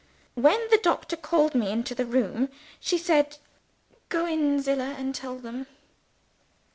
When the doctor called me into the room, she said: 'Go in, Zillah, and tell them.'